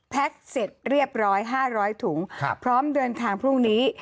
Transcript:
เสร็จเรียบร้อย๕๐๐ถุงพร้อมเดินทางพรุ่งนี้